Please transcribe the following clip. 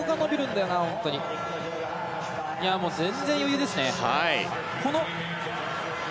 全然、余裕ですね。